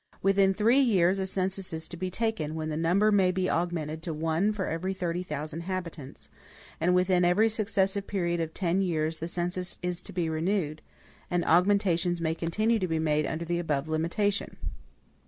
Within three years a census is to be taken, when the number may be augmented to one for every thirty thousand inhabitants; and within every successive period of ten years the census is to be renewed, and augmentations may continue to be made under the above limitation.